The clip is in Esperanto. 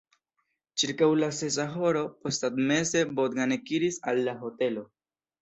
Ĉirkaŭ la sesa horo posttagmeze Bogdan ekiris al la hotelo.